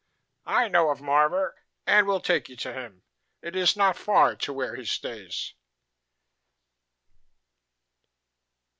"I know of Marvor and will take you to him. It is not far to where he stays."